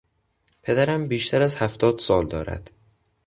پدرم بیشتر از هفتاد سال دارد.